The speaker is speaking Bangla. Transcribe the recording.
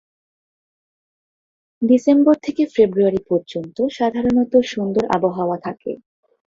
ডিসেম্বর থেকে ফেব্রুয়ারি পর্যন্ত সাধারণত সুন্দর আবহাওয়া থাকে।